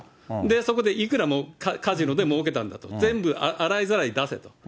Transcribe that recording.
そこでいくらのカジノでもうけたんだと、全部洗いざらい出せと。